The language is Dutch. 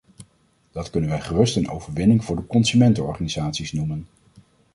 Dat kunnen we gerust een overwinning voor de consumentenorganisaties noemen.